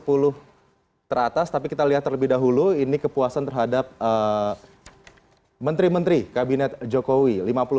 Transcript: sepuluh teratas tapi kita lihat terlebih dahulu ini kepuasan terhadap menteri menteri kabinet jokowi